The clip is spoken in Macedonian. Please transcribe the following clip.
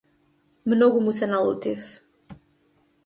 Многу му се налутив.